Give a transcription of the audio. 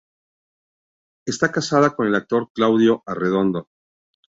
Está casada con el actor Claudio Arredondo.